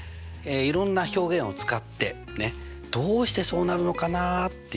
いろんな表現を使ってどうしてそうなるのかなっていうね